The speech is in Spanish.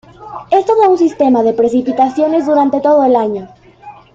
Esto da un sistema de precipitaciones durante todo el año.